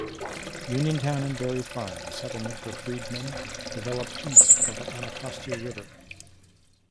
Uniontown and Barry Farm, a settlement for freedmen, developed east of the Anacostia River.